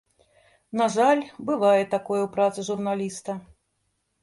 На жаль, бывае такое ў працы журналіста.